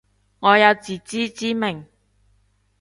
我有自知之明